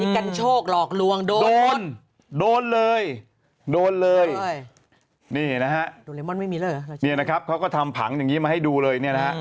กันโชคหลอกลวงโดนโดนเลยโดนเลยนี่นะฮะเค้าทำผังอย่างงี้มาให้ดูเลย